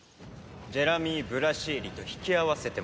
ジェラミー・ブラシエリと引き合わせてもらいたい。